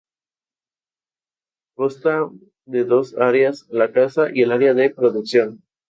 Pueden ser identificados por su físico robusto.